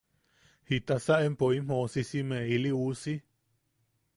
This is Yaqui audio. ¿Jitasa empo im joʼosisime ili uusi?